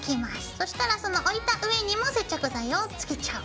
そしたらその置いた上にも接着剤を付けちゃう。